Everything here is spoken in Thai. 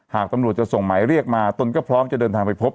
หากตำรวจจะส่งหมายเรียกมาตนก็พร้อมจะเดินทางไปพบ